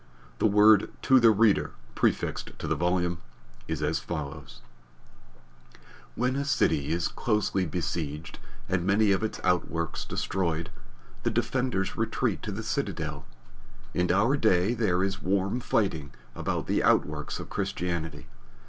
The word "To the Reader," prefixed to the volume, is as follows: When a city is closely besieged and many of its outworks destroyed, the defenders retreat to the citadel. In our day there is warm fighting about the outworks of Christianity.